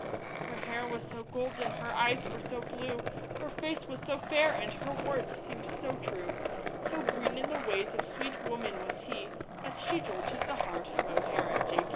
Her hair was so golden, her eyes were so blue, Her face was so fair and her words seemed so true So green in the ways of sweet women was he That she jolted the heart of O'Hara, J.